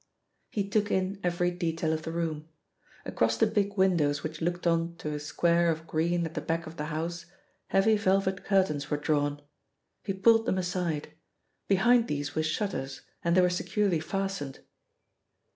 He took in every detail of the room. Across the big windows which looked on to a square of green at the back of the house, heavy velvet curtains were drawn. He pulled them aside. Behind these were shutters and they were securely fastened.